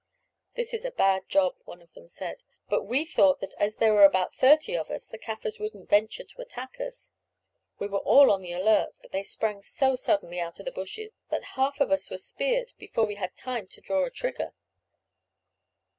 "This is a bad job," one of them said; "but we thought that as there were about thirty of us, the Kaffirs wouldn't venture to attack us. We were all on the alert, but they sprang so suddenly out of the bushes that half of us were speared before we had time to draw a trigger.